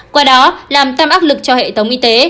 qua đó làm tăm ác lực cho hệ thống y tế